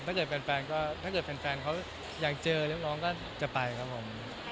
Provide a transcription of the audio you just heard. ถ้าเกิดแฟนเขาอยากเจอเรื่องนี้ก็จะไปครับผม